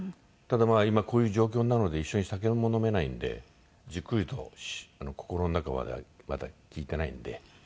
ただ今こういう状況なので一緒に酒も飲めないんでじっくりと心の中まではまだ聞いてないんで。